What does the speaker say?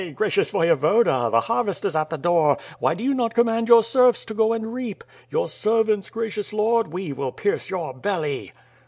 Gracious Voyevoda, th« harvest is at the door, why do you not command your serfs to go and reap. Your servants, gracious Lord, we will pierce your belly!"